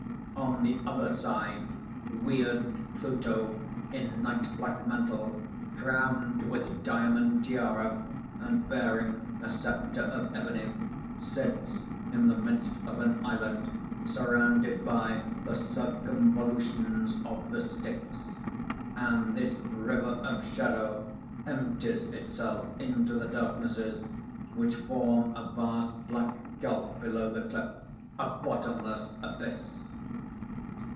_ _On the other side weird Pluto in night black mantle, crowned with diamond tiara and bearing a sceptre of ebony, sits in the midst of an islet surrounded by the circumvolutions of the Styx; and this river of shadow empties itself into the darknesses, which form a vast black gulf below the cliff, a bottomless abyss!